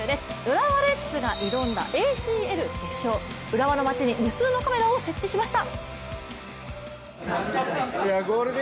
浦和レッズが挑んだＡＣＬ決勝、浦和の街に無数のカメラを設置しました。